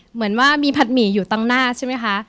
เหมือนว่ามีผัดหมี่อยู่ตั้งหน้าใช่ไหมคะ